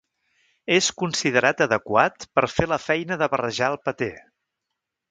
És considerat adequat per fer la feina de barrejar el paté.